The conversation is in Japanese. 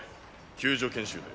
救助研修で。